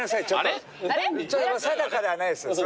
定かではないです